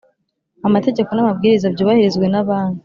amategeko n amabwiriza byubahirizwe na Banki